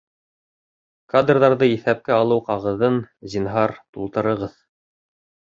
Кадрҙарҙы иҫәпкә алыу ҡағыҙын, зинһар, тултырығыҙ